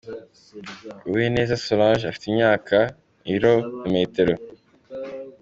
Uwineza Solange afite imyaka , ibiro na metero .